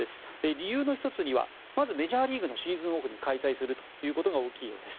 理由の１つにはメジャーリーグのシーズンオフに開催するということが大きいようです。